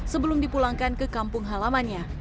sebelum dipulangkan ke kampung halamannya